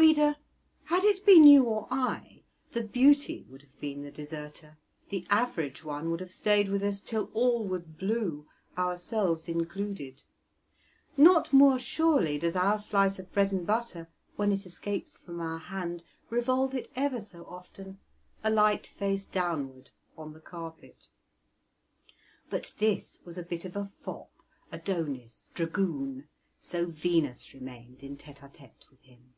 Reader, had it been you or I, the beauty would have been the deserter, the average one would have stayed with us till all was blue, ourselves included; not more surely does our slice of bread and butter, when it escapes from our hand, revolve it ever so often, alight face downward on the carpet. But this was a bit of a fop, Adonis, dragoon, so Venus remained in tete a tete with him.